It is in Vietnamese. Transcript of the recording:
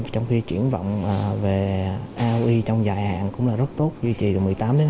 trong khi chuyển vọng về aoe trong dài hạn cũng là rất tốt duy trì được một mươi tám hai mươi